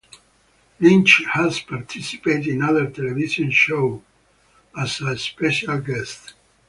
Lynch has participated in other television shows as a special guest.